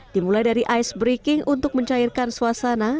dimulai dari icebreaking untuk mencairkan suasana